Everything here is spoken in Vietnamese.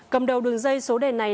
cầm đầu đường dây số đề này